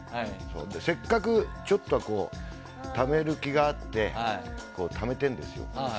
せっかくちょっとためる気があってためてるんですよ。